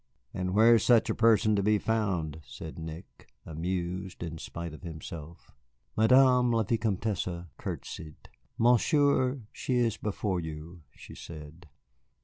"And where is such a person to be found," said Nick, amused in spite of himself. Madame la Vicomtesse courtesied. "Monsieur, she is before you," she said.